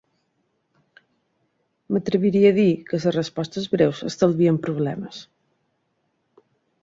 M'atreviria a dir que les respostes breus estalvien problemes.